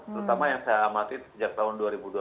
terutama yang saya amati sejak tahun dua ribu dua belas